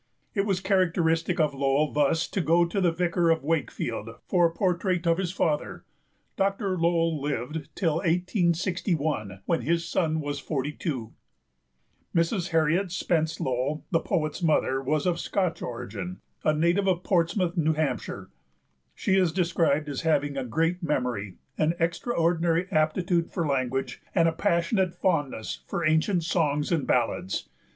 It was characteristic of Lowell thus to go to The Vicar of Wakefield for a portrait of his father. Dr. Lowell lived till 1861, when his son was forty two. [Illustration: Elmwood, Mr. Lowell's home in Cambridge.] Mrs. Harriet Spence Lowell, the poet's mother, was of Scotch origin, a native of Portsmouth, New Hampshire. She is described as having "a great memory, an extraordinary aptitude for language, and a passionate fondness for ancient songs and ballads."